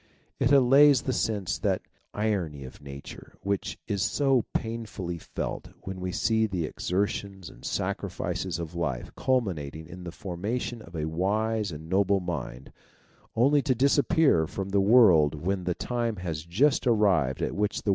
It allays the sense of that irony of Nature which is so pain fully felt when we see the exertions and sacrifices of a life culminating in the formation of a wise and noble mind, only to disappear from the world when the time has just arrived at which the